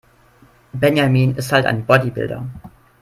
Benjamin ist halt ein Bodybuilder.